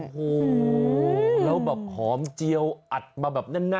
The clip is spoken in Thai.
โอ้โหแล้วแบบหอมเจียวอัดมาแบบแน่น